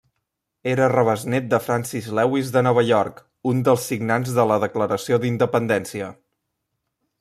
Era rebesnét de Francis Lewis de Nova York, un dels signants de la Declaració d'Independència.